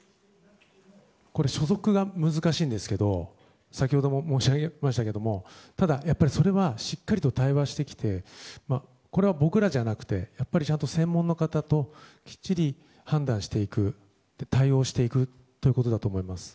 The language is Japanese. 所属が難しいんですけど先ほども申し上げましたけどもやっぱりそれはしっかりと対話してきてこれは僕らじゃなくてちゃんと専門の方ときっちり判断していく対応していくということだと思います。